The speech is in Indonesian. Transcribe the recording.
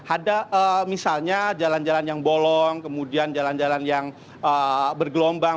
ada misalnya jalan jalan yang bolong kemudian jalan jalan yang bergelombang